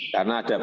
karena ada bantuan